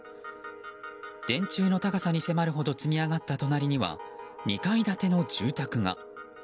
電柱の高さに迫るほど積み上がった隣には２階建ての住宅が。